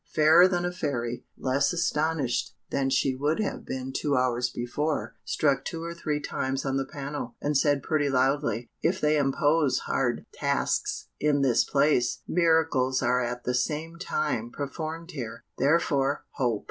Fairer than a Fairy, less astonished than she would have been two hours before, struck two or three times on the panel, and said pretty loudly, "If they impose hard tasks in this place, miracles are at the same time performed here therefore, hope!